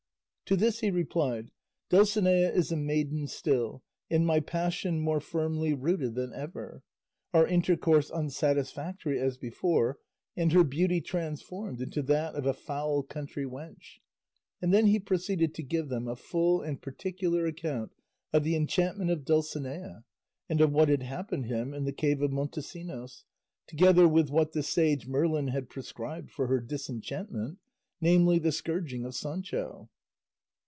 To this he replied, "Dulcinea is a maiden still, and my passion more firmly rooted than ever, our intercourse unsatisfactory as before, and her beauty transformed into that of a foul country wench;" and then he proceeded to give them a full and particular account of the enchantment of Dulcinea, and of what had happened him in the cave of Montesinos, together with what the sage Merlin had prescribed for her disenchantment, namely the scourging of Sancho.